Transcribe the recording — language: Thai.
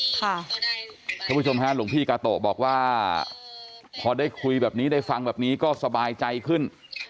ท่านผู้ชมฮะหลวงพี่กาโตะบอกว่าพอได้คุยแบบนี้ได้ฟังแบบนี้ก็สบายใจขึ้น